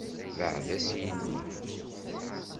Beɛɛed-as i yelli!